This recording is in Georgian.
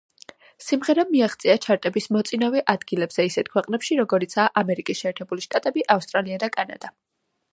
სიმღერამ მიაღწია ჩარტების მოწინავე ადგილებზე ისეთ ქვეყნებში როგორიცაა, ამერიკის შეერთებული შტატები, ავსტრალია და კანადა.